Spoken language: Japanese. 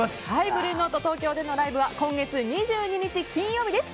ブルーノート東京でのライブは今月２２日金曜日です。